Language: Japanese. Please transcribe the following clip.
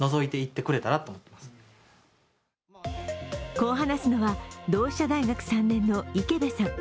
こう話すのは同志社大学３年の池邊さん。